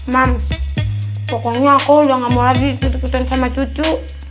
mams pokoknya aku udah nggak mau lagi ditukitan sama cucu